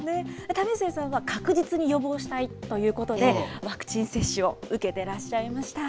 為末さんは確実に予防したいということで、ワクチン接種を受けてらっしゃいました。